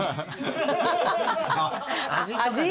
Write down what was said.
味？